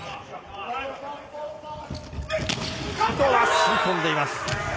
吸い込んでいます。